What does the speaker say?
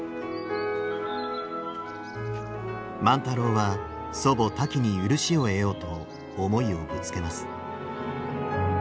万太郎は祖母タキに許しを得ようと思いをぶつけます。